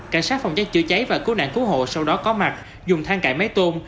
cảnh sát phòng cháy chữa cháy và cứu nạn cứu hộ sau đó có mặt dùng thang cải máy tôm